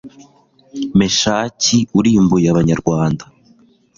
meshaki urimbuye abanyarwanda